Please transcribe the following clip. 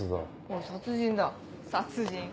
おい殺人だ殺人。